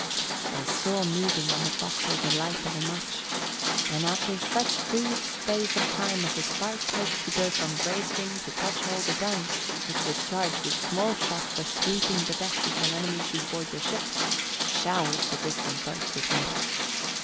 They saw moving on the forecastle the light of a match, and after such brief space of time as a spark takes to go from brace ring to touchhole the gun, which was charged with small shot for sweeping the deck if an enemy should board the ship, showered the distant boats with metal.